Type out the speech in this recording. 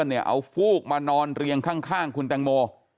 เอาฟูกมานอนเรียงข้างคุณแตงโม